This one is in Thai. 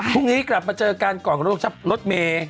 พรุ่งนี้กลับมาเจอกันก่อนโรคชับรถเมย์